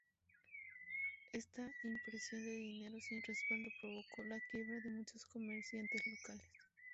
Esta impresión de dinero sin respaldo provocó la quiebra de muchos comerciantes locales.